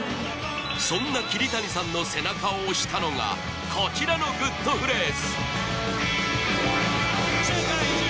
そんな桐谷さんの背中を押したのがこちらのグッとフレーズ